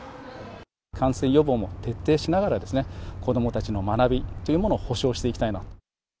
感染予防も徹底しながらですね、子どもたちの学びというものを保証していきたいなと。